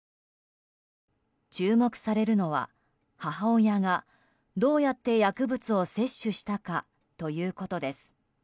注目されるのは母親がどうやって薬物を摂取したかということです。